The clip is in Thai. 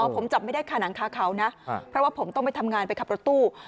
ผมจับไม่ได้ค่ะหนังคาเขานะเพราะว่าผมต้องไปทำงานไปขับรถตู้